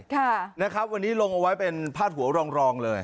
ค่ะนะครับวันนี้ลงเอาไว้เป็นพาดหัวรองรองเลย